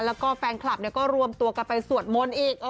แล้วก็แฟนคลับก็รวมตัวกันไปสวดมนต์อีก